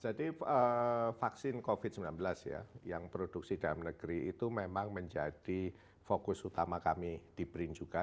jadi vaksin covid sembilan belas ya yang produksi dalam negeri itu memang menjadi fokus utama kami di brin juga